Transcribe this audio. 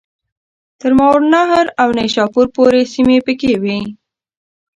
تر ماوراءالنهر او نیشاپور پوري سیمي پکښي وې.